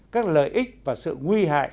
các lợi ích và sự nguy hại